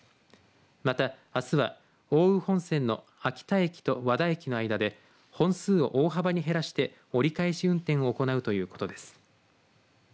またあすは奥羽本線の秋田駅と和田駅の間で本数を大幅に減らして折り返し運転を行うということです。